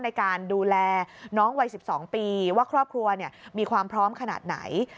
ในการดูแลน้องวัย๑๒ปีว่าครอบครัวมีความพร้อมขนาดไหน